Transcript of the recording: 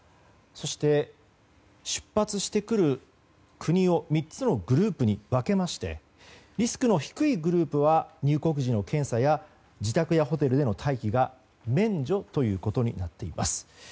そして出発してくる国を３つのグループに分けましてリスクの低いグループは入国時の検査や自宅やホテルでの待機が免除ということになっています。